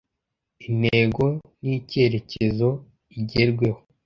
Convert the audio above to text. intego n'icyerekezo igerweho